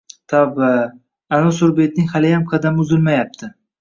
Tavba, anvi surbetning haliyam qadami uzilmayapti